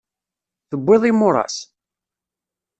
Tewwiḍ imuras?